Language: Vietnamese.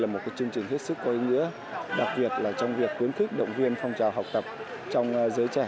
với ý nghĩa đặc biệt là trong việc khuyến khích động viên phong trào học tập trong giới trẻ